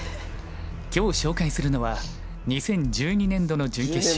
今日紹介するのは２０１２年度の準決勝。